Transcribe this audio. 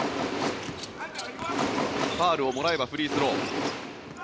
ファウルをもらえばフリースロー。